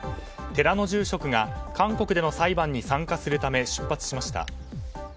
寺の住職が韓国での裁判に参加するため出発しました。